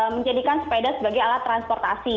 menjadikan sepeda sebagai alat transportasi